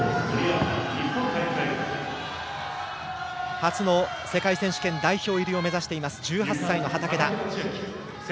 初の世界選手権代表入りを目指す１８歳の畠田。